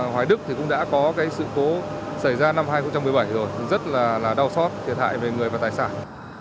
hoài đức thì cũng đã có sự cố xảy ra năm hai nghìn một mươi bảy rồi rất là đau xót thiệt hại về người và tài sản